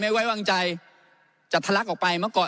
ไม่ไว้วางใจจะทะลักออกไป